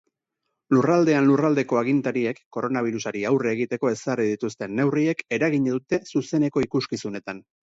Lurraldean lurraldeko agintariek koronabirusari aurre egiteko ezarri dituzten neurriek eragina dute zuzeneko ikuskizunetan.